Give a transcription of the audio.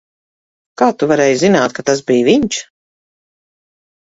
Kā tu varēji zināt, ka tas bija viņš?